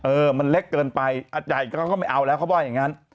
เออมันเล็กเกินไปอัดใหญ่เขาก็ไม่เอาแล้วเขาว่าอย่างนั้น